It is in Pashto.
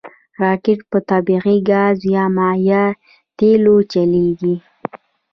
راکټ په طبعي ګاز یا مایع تېلو چلیږي